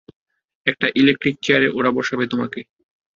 একটা ইলেকট্রিক চেয়ারে ওরা বসাবে তোমাকে।